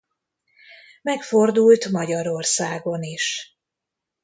Megfordult Magyarországon is.